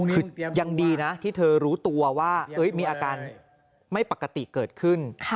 คือยังดีนะที่เธอรู้ตัวว่ามีอาการไม่ปกติเกิดขึ้น